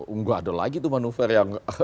enggak ada lagi tuh manuver yang